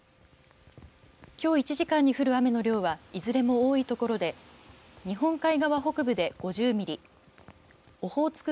きょう１時間に降る雨の量はいずれも多いところで日本海側北部で５０ミリオホーツク